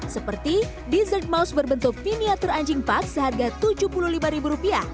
seperti dessert mouse berbentuk miniatur anjing park seharga rp tujuh puluh lima